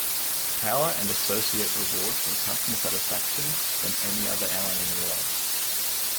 Power and Associates awards for Customer Satisfaction than any other airline in the world.